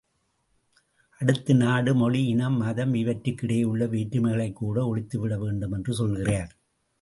அடுத்து நாடு, மொழி, இனம், மதம் இவற்றிற்கிடையேயுள்ள வேற்றுமைகளைக்கூட ஒழித்துவிட வேண்டும் என்று சொல்கிறார்.